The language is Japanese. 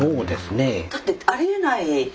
だってありえない。